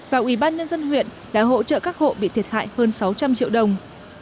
và ủy ban nhân dân huyện đã hỗ trợ các hộ bị thiệt hại hơn sáu trăm linh triệu đồng